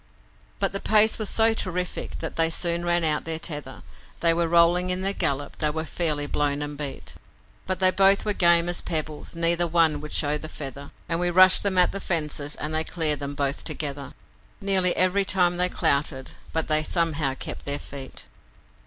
But the pace was so terrific that they soon ran out their tether They were rolling in their gallop, they were fairly blown and beat But they both were game as pebbles neither one would show the feather. And we rushed them at the fences, and they cleared them both together, Nearly every time they clouted, but they somehow kept their feet.